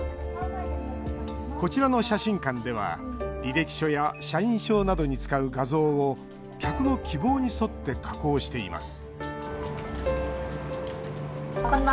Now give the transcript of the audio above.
こちらの写真館では履歴書や社員証などに使う画像を客の希望に沿って加工しています